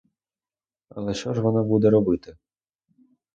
Але що ж вона буде робити?